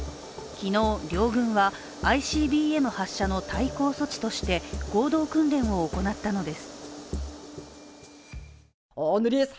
昨日、両軍はＩＣＢＭ発射の対抗措置として合同訓練を行ったのです。